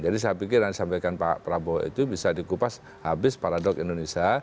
jadi saya pikir yang disampaikan pak prabowo itu bisa dikupas habis paradog indonesia